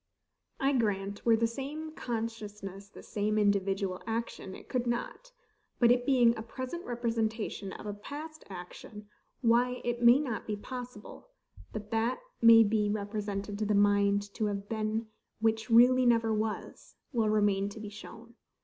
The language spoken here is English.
I grant were the same consciousness the same individual action it could not: but it being a present representation of a past action, why it may not be possible, that that may be represented to the mind to have been which really never was, will remain to be shown.